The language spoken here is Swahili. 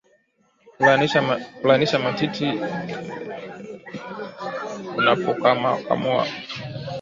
kulainisha matiti unapokamua